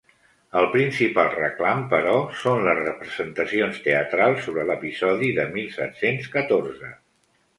El principal reclam, però, són les representacions teatrals sobre l’episodi del mil set-cents catorze.